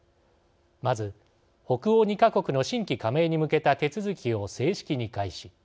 まず北欧２か国の新規加盟に向けた手続きを正式に開始。